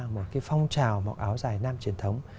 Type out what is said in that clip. một cái phong trào mặc áo dài nam truyền thống